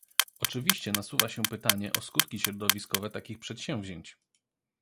Oczywiście nasuwa się pytanie o skutki środowiskowe takich przedsięwzięć